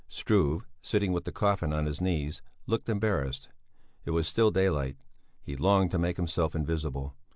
Struve, sitting with the coffin on his knees, looked embarrassed; it was still daylight; he longed to make himself invisible.